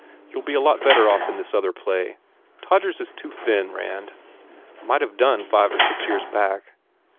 You ll be a lot better off in this other play. ... Todgers is too thin, Rand. Might have done five or six years back."